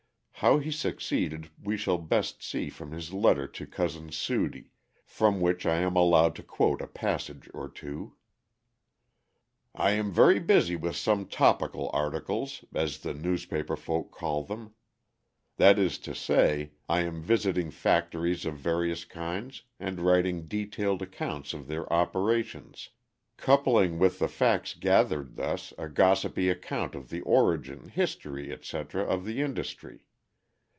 How he succeeded we shall best see from his letter to Cousin Sudie, from which I am allowed to quote a passage or two. "I am very busy with some topical articles, as the newspaper folk call them. That is to say, I am visiting factories of various kinds and writing detailed accounts of their operations, coupling with the facts gathered thus, a gossipy account of the origin, history, etc., of the industry.